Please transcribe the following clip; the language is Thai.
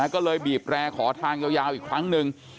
ก็เลยบีบแร่ขอทางยาวอีกครั้งหนึ่ง